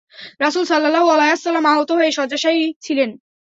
রাসূল সাল্লাল্লাহু আলাইহি ওয়াসাল্লাম আহত হয়ে শয্যাশায়ী ছিলেন।